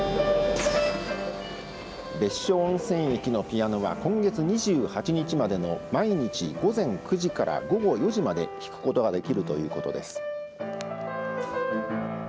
別所温泉駅のピアノは今月２８日までの毎日午前９時から午後４時まで弾くことができるということです。